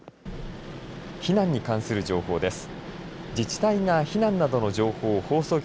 避難に関する情報です。